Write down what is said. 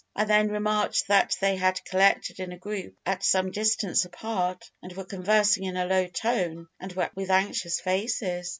I then remarked that they had collected in a group at some distance apart, and were conversing in a low tone and with anxious faces.